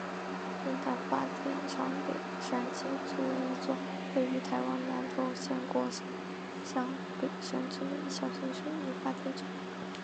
明潭发电厂北山机组为一座位于台湾南投县国姓乡北山村的小型水力发电厂。